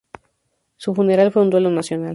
Su funeral fue un duelo nacional.